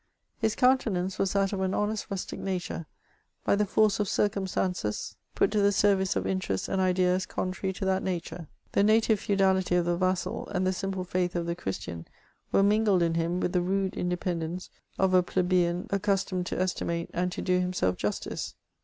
His countenance was that of an honest rustic nature, by the force of circumstances put to the service 410 MEMOIRS OF of interests and ideas contrary to that nature ; t;lie nati feudality of the yassal, and the simjde &ith of the Chrisda were mingled in him with the rude independence of w^ piebeii accustomed to estimate and to do himself justice.